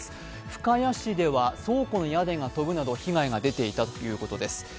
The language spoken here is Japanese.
深谷市では倉庫の屋根が飛ぶなど被害が出ていたということです。